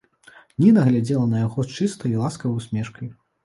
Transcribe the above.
Ніна глядзела на яго з чыстай і ласкавай усмешкай.